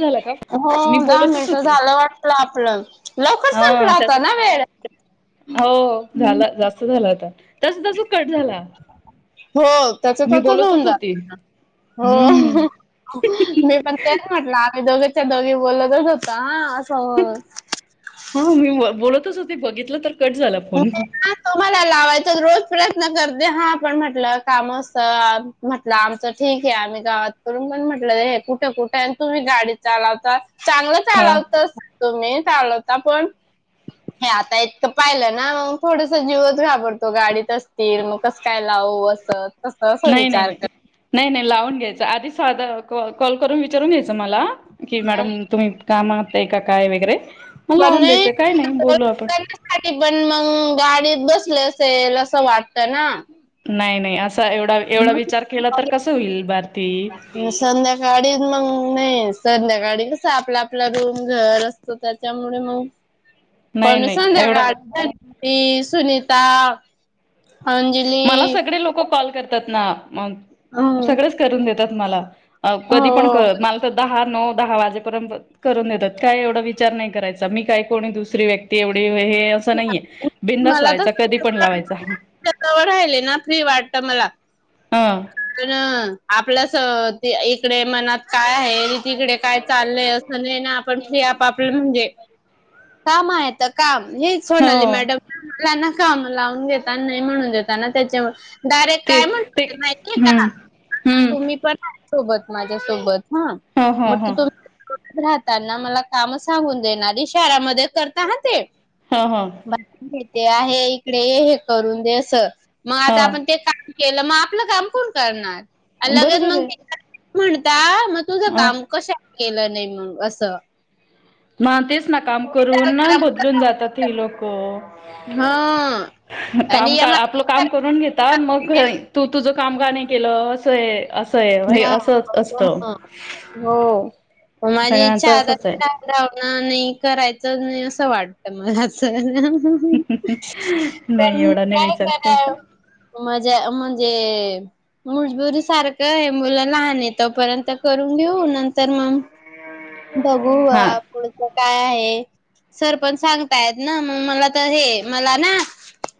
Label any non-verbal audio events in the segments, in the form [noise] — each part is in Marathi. झाला का हो मी दहा बोलतच मिनिट होते झालं वाटलं आपलं, लवकर संपलं हा त्याच आता ना वेळ ब [unintelligible] हो झालं जास्त झालं आता हो त्याच मी त्याच नन बोलतच जा होती हम्म हो मी पण तेच म्हटलं आम्ही दोघे दघ बोलतच होता हा असं हो हा मी बोलतच हो ते बघितलं तर. कट झाला फोन तुम्हाला लावायचं रोज प्रयत्न करते हा आपण म्हटलं काम अस म्हटलं, आमचं ठीक आहे आम्ही गावात करून ण म्हटलं हे कुठे कुठे आहे तुम्ही गाडी चालावता. चांगलं हा चालवत तुम्ही चालवता पण हे आता इतकं पाहिलं ना ना मग थोडस जीवच घाबरतो गाडीत असतील मग कसं काय लावू असं. तसं असं नाही नाही विचार नाही नाही नाही लावून य आधी साधा कॉल करून विचारून घ्यायचा मला की कर मॅडम तुम्ही का ते का काय वगैरे मग लावून द्यायचं काय नाही पणण्या बोलू आपण पण मग गाडीत बस [inaudible] असेल असं वाटतं ना नाही नाही अस [inaudible] भारती संध्याकाळी मग नाहीस. संध्याकाळी कस आपला आपला रूम घर असतो, त्याच्यामुळे मग नाही पण नाही एवढा संध्याकाळ [inaudible] ती सुनीता, मला अंजली सगळे लोक कॉल करतात ना मग हम्म सगळेच करून देतात मला कधी पण हो करळत मला तर दहा नऊ दहा वाजेपर्यंत करून देतात काय एवढा विचार नाही, करायचा मी काय कोणी दुसरी व्यक्ती एवढी हे असं नाहीये बिंदास मला तर लावायचा कधी पण लावायचा. [inaudible] राहिले ना फ्री वाटत मला ह [inaudible] आपल्या इकडे मनात काय आहे तिकडे काय चालय असं नाही ना आपण हे आपआपलं म्हणजे काम आहे तर काम हे हो सोनाली मॅडम [inaudible] काम लावून घेतता नाही म्हणून देेतताना त्याच्या डायरेक्ट काय तेच म्हण ते माहितीय का हम्म हम्म तुम्ही पण सोबत माझ्यासोबत हा ह ह मग त ह तुम् राहतना मला काम सांगून देणारी शहरामध्ये करता ह ते ह ब घेते आहे इकडे हे करून देस मग ह आता आपण ते ह का केलं मग आपलं काम कोण करणार बरोबर आहे [unintelligible] म्हणता. मग तुझं अ काम कशा केलं नाही मग असं ना तेच ना काम करून ना बदलून जातात ही लोक हा. काम आणि या का आपलं काम करून घेता मग माझ्या तू तुझं काम का नाही केलं असं आहे. असंय व्हय असंच असत. ग माझी इच्छा आता [inaudible] नाही करायचं नाही असं वाटत मला तर, नाही पण एवढा नाही काय विचार करा करायचा म ज म्हणजे मजबुरी सारखं का मुलं लहान य तोपर्यंत करून घेऊ नंतर मग. बघू हा पुढचं काय आहे. सरपंच सांगताय ना म मला तर हे मला ना!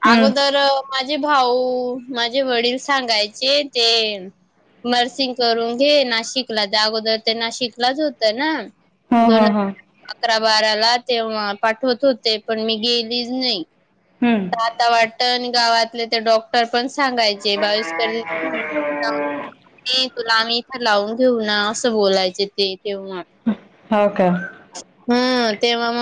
हम्म अगोदर मा माझे भाऊ माझे वडील सांगायचे ते, मर्सिंग करून घे, नाशिकला अगोदर ते नाशिकलाच होतं ना! हा दोन हा हा. हजार अकरा बाराला तेव्हा पाठवत होते पण मी गेलीच नाही. हम्म आता वाटत आणि गावातले ते डॉक्टर पण सांगायचे बावीस क [inaudible] नाही तुला आम्ही इथं लावून घेऊ ना असं बोलायचे ते तेव्हा, हो का! हां.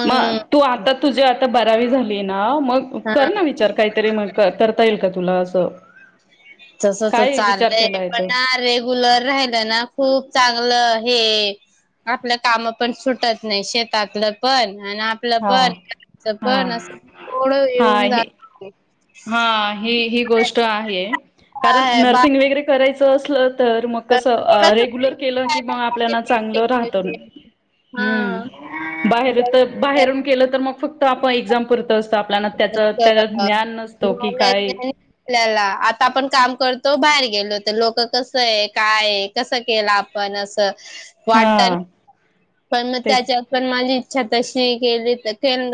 मग तू आता तुझी आता बारावी झाली आहे ना! हा मग हा कर ना विचार काहीतरी मग करता येईल का तुला असं. तस तर काय विचार चाललंय केलाय पण तर ना रेगुलर राहिल ना खूप चांगलं. हे आपलं काम पण सुटत नाही शेतातलं पण आणि आपलं हा पण [inaudible] हा पण असं थोडं हा येऊन हे जात. हा ही ही गोष्ट आहे. कारण नर्सिंग वगैरे करायचं असल तर मग कस रेग्युलर केलं की मग आपल्याला चांगलं राहत. हा हम्म बाहेर तर बाहेरून केलं तर मग फक्त आपण एक्झाम पुरतं असत आपल्या त्याच त्या ज्ञान म की काय [unintelligible] त्याला आता आपण काम करतो बाहेर गेलो तर, लोक कस आहे, काय कसं केलं, आपण असं वाटतं ना. हा! पण मग तेच त्याच्यात पण माझी इच्छा तशी केली तर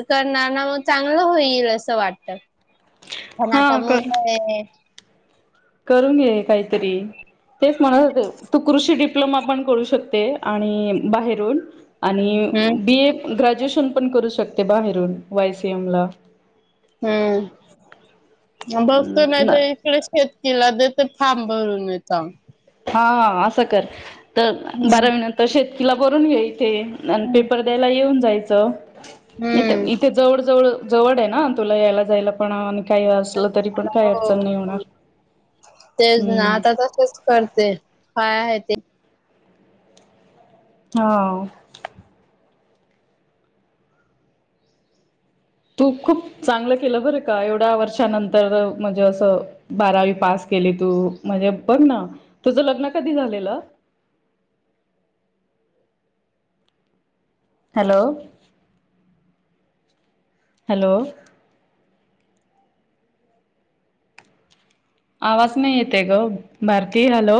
करणार ना मग चांगलं होईल असं वाटत. पण हा आता कर मुलं आहेत. करून घे काहीतरी तेच म्हणत तू कृषी डिप्लोमा पण करू शकते. आणि बाहेरून आणि हं. बी ए ग्रॅज ग्रॅज्युएशन पण करू शकते बाहेरून वायसीएम ला हम्म! बघतो नाही ला. तर इकडेच शेत तिला देत फारम भरून येत. हा हा असं कर तर हं. बारावी नंतर शेतकीला बरून घई, थ आणि हं. पेपर द्यायला येऊन जायचंथ हं. इथे जवळ, जवळ जवळ आहे ना तुला यायला जायला पण आणि काही, तरी पण काही अडचण हो नाही होणार तेच ना हम्म आता तसेच करत. काय आहे ते, हो! तू खूप चांगलं केलं बर का एवढ्या वर्षानंतर म्हणजे, असं बारावी पास केली तू म्हणजे बघ ना तुझ लग्न कधी झालेलं? ह हॅलो? हॅलो आवाज नाही येते ग भारती हॅलो!